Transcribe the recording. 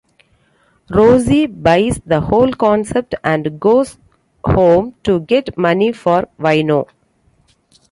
Rosie buys the whole concept and goes home to get money for Wino.